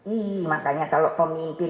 ih makanya kalau pemimpin